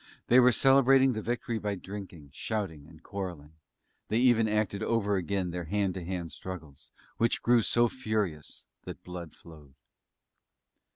They were celebrating the victory by drinking, shouting and quarrelling; they even acted over again their hand to hand struggles, which grew so furious that blood flowed.